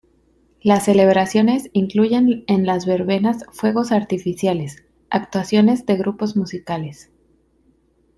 Las celebraciones incluyen en las verbenas fuegos artificiales, actuaciones de grupos musicales.